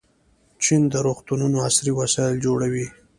چین د روغتونونو عصري وسایل جوړوي.